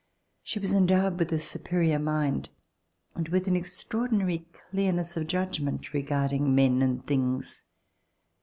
She was endowed with a superior mind and with an extraordinary clearness of judg ment regarding men and things.